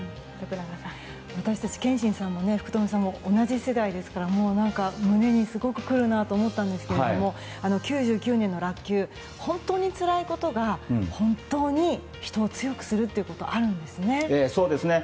私たち憲伸さんも福留さんも同じ世代ですから、胸にすごくくるなと思ったんですけど９９年の落球、本当につらいことが本当に人を強くすることがあるんですね。